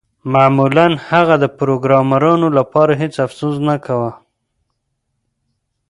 معمولاً هغه د پروګرامرانو لپاره هیڅ افسوس نه کاوه